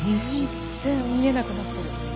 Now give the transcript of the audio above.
全然見えなくなってる。